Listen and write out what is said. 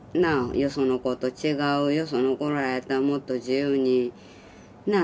よその子と違うよその子らやったらもっと自由になあ